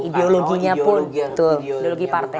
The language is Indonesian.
ideologinya pun ideologi partai